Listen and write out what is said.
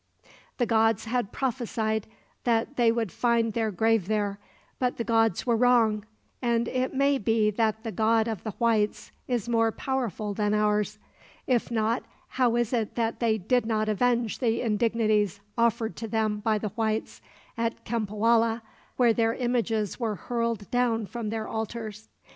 "The gods had prophesied that they would find their grave there. But the gods were wrong; and it may be that the God of the whites is more powerful than ours. If not, how is it that they did not avenge the indignities offered to them by the whites, at Cempoalla, where their images were hurled down from their altars?